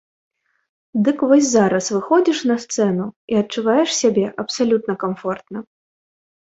Дык вось зараз выходзіш на сцэну і адчуваеш сябе абсалютна камфортна.